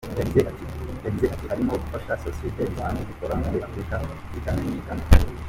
Yagize ati “Harimo no gufasha sosiyete zisanzwe zikora muri Afurika zikamenyekana.